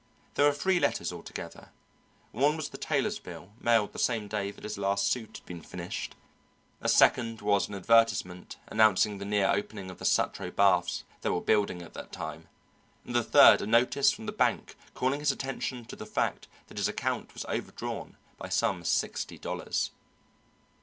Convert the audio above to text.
There were three letters altogether: one was the tailor's bill mailed the same day that his last suit had been finished; a second was an advertisement announcing the near opening of the Sutro Baths that were building at that time; and the third a notice from the bank calling his attention to the fact that his account was overdrawn by some sixty dollars.